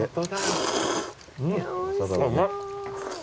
うまい。